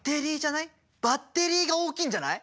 バッテリーが大きいんじゃない？